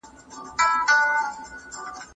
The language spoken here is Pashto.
اګوستين د دولت او دين اړيکي بيان کړي دي.